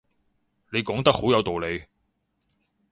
你講得好有道理